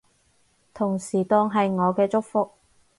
同時當係我嘅祝福